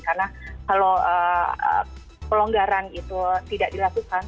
karena kalau pelonggaran itu tidak dilakukan